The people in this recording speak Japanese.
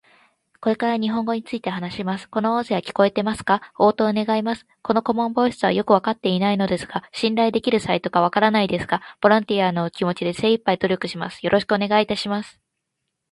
これから日本語について話します。この音声は聞こえてますか？応答願います。この顧問ボイスとはよく分かっていないのですが信頼できるサイトか分からないですが、ボランティアの気持ちで精いっぱい努力します。よろしくお願いいたします。